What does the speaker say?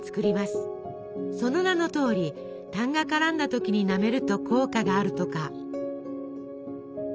その名のとおりたんが絡んだ時になめると効果があるとか。